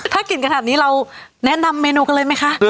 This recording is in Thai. ถ้ากินขนาดนี้เราแนะนำเมนูกันเลยไหมคะ